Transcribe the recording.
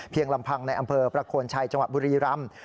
ลำพังในอำเภอประโคนชัยจังหวัดบุรีรำ